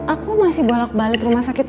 aku masih bolak balik rumah sakit terus asal sakit